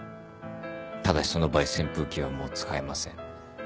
ただしその場合扇風機はもう使えません。